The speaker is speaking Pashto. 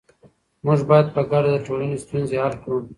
موږ باید په ګډه د ټولنې ستونزې حل کړو.